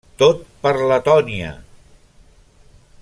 Tot per Letònia!